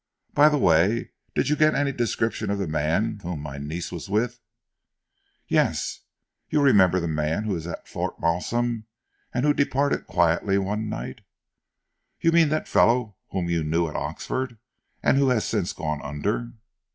"By the way, did you get any description of the man whom my niece was with?" "Yes. You remember that man who was at Fort Malsun, and who departed quietly one night?" "You mean that fellow whom you knew at Oxford, and who has since gone under?"